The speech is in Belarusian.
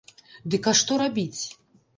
Дык а што рабіць?